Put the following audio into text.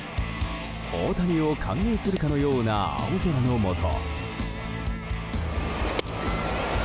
大谷を歓迎するかのような青空のもと。